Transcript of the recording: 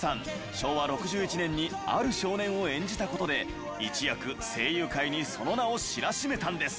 昭和６１年にある少年を演じた事で一躍声優界にその名を知らしめたんです。